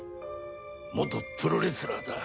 元プロレスラーだ。